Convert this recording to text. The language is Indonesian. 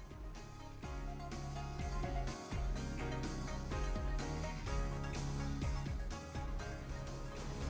terima kasih pak terima kasih